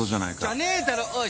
じゃねえだろ！おい。